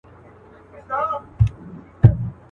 زما پر تور قسمت باندي باغوان راسره وژړل.